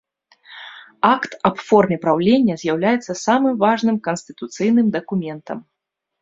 Акт аб форме праўлення з'яўляецца самым важным канстытуцыйным дакументам.